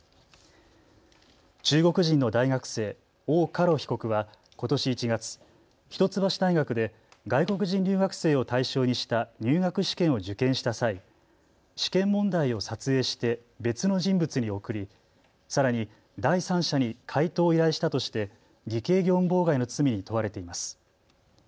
中国人の大学生、王嘉ろ被告はことし１月、一橋大学で外国人留学生を対象にした入学試験を受験した際、試験問題を撮影して別の人物に送り、さらに第三者に解答を依頼したとして偽計業務妨害の罪に問われています。